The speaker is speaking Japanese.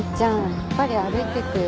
やっぱり歩いてくよ。